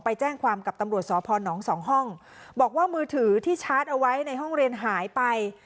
ไปแจ้งความกับตำรวจสพนสองห้องบอกว่ามือถือที่ชาร์จเอาไว้ในห้องเรียนหายไป